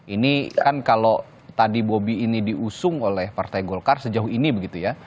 ini kan kalau tadi bobi ini diusung oleh partai golkar sejauh ini begitu ya